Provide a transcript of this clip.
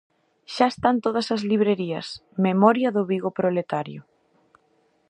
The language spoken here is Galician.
Xa está en todas as librarías "Memoria do Vigo proletario".